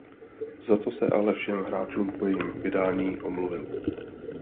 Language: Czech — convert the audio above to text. Za to se ale všem hráčům po jejím vydání omluvil.